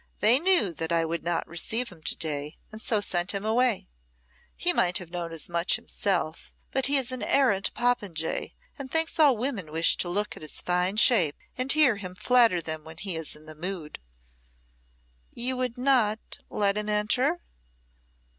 "They knew that I would not receive him to day, and so sent him away. He might have known as much himself, but he is an arrant popinjay, and thinks all women wish to look at his fine shape, and hear him flatter them when he is in the mood." "You would not let him enter?"